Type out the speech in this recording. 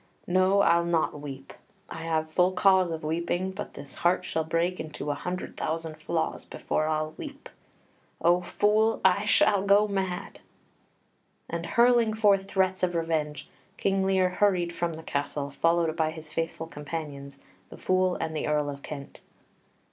No, I'll not weep. I have full cause of weeping; but this heart shall break into a hundred thousand flaws before I'll weep.... O Fool, I shall go mad!" And, hurling forth threats of revenge, King Lear hurried from the castle, followed by his faithful companions, the Fool and the Earl of Kent.